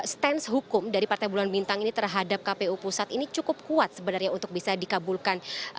stance hukum dari partai bulan bintang ini terhadap kpu pusat ini cukup kuat sebenarnya untuk bisa dikabulkan